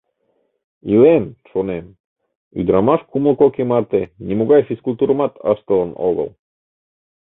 Илен, шонем, ӱдырамаш кумло кок ий марте, нимогай физкультурымат ыштылын огыл.